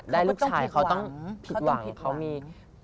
ได้ลูกชายเขาต้องผิดหวังเขามีณเขาต้องผิดหวัง